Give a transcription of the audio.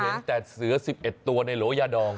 เห็นแต่เสือ๑๑ตัวในโหลยาดอง